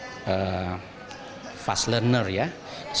terus kemudian dia mencari kemampuan untuk mencari kemampuan untuk mencari kemampuan